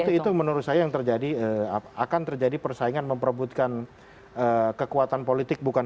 itu menurut saya yang terjadi akan terjadi persaingan memperebutkan kekuatan politik bukan